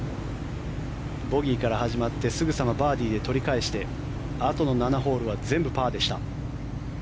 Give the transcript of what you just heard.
ボギーから始まってすぐさまバーディーで取り返してあとの７ホールは全部パーでした。